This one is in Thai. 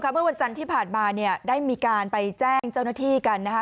เมื่อวันจันทร์ที่ผ่านมาเนี่ยได้มีการไปแจ้งเจ้าหน้าที่กันนะคะ